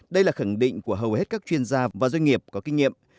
đây là khẳng định của hầu hết các chuyên gia và doanh nghiệp có kinh nghiệm